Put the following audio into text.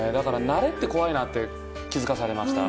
慣れって怖いなって気づかされました。